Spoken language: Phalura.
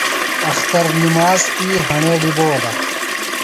اختر نِماس تی ہݨے ڈِبولہ۔